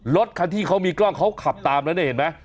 รถคันที่เขามีกล้องเขาขับตามแล้วเนี่ยเห็นไหม